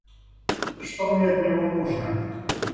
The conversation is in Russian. Что мне от него нужно!